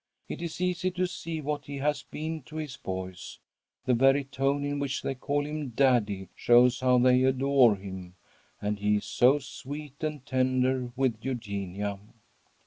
It is easy to see what he has been to his boys. The very tone in which they call him 'Daddy' shows how they adore him; and he is so sweet and tender with Eugenia.